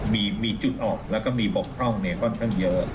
มีจุดออกแล้วก็มีบกพร่องค่อนข้างเยอะ